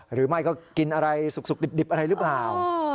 หรือไม่ก็กินอะไรสุกดิบอะไรหรือเปล่า